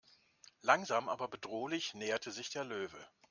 Langsam aber bedrohlich näherte sich der Löwe.